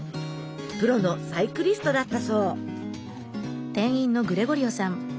プロのサイクリストだったそう。